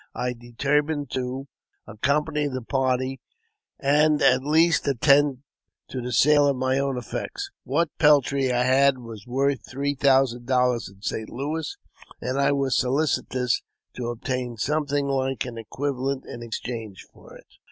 I determined to accompany the party, and at least attend to the sale of my own effects.. What peltry I had was worth three thousand dollars in St. Louis, and I was solicitous to obtain something like an equivalent in exchange for it.